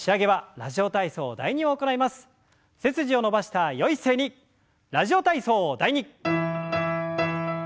「ラジオ体操第２」。